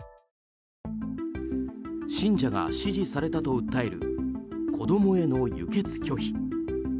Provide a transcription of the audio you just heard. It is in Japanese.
信者が指示されたと訴える子供への輸血拒否。